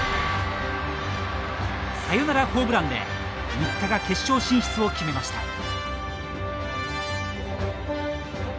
サヨナラホームランで新田が決勝進出を決めました。